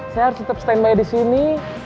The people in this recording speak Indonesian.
saya harus tetap stand by di sini